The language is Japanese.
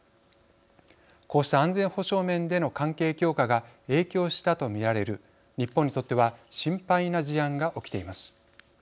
こうした安全保障面での関係強化が影響したと見られる日本にとっては心配な事案が起きています。